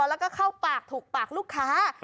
แล้วก็เข้าปากถูกปากลูกค้า